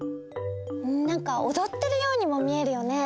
なんかおどってるようにも見えるよね。